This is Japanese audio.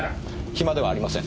暇ではありません。